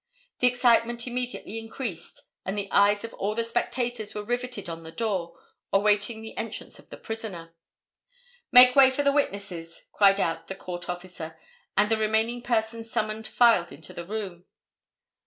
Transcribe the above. The excitement immediately increased, and the eyes of all the spectators were riveted on the door, awaiting the entrance of the prisoner. "Make way for the witnesses," called out the court officer, and the remaining persons summoned filed into the room.